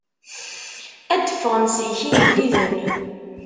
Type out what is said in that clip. Ad d-ffɣen seg-k igelliden.